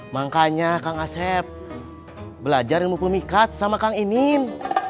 makanya kang asep belajar ilmu pemikat sama kang inin